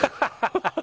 ハハハ。